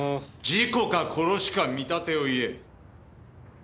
事故か殺しか見立てを言え。